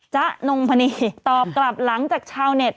ะนงพนีตอบกลับหลังจากชาวเน็ต